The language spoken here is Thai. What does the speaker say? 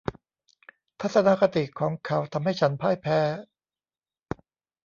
ทัศนคติของเขาทำให้ฉันพ่ายแพ้